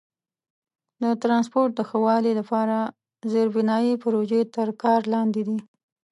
د ترانسپورت د ښه والي لپاره زیربنایي پروژې تر کار لاندې دي.